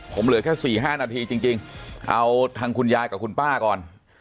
ผมเหลือแค่๔๕นาทีจริงเอาทางคุณยายกับคุณป้าก่อน